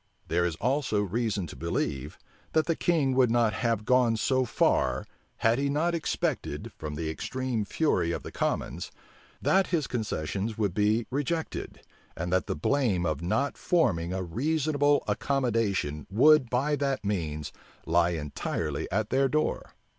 There is also reason to believe, that the king would not have gone so far, had he not expected, from the extreme fury of the commons, that his concessions would be rejected, and that the blame of not forming a reasonable accommodation would by that means lie entirely at their door.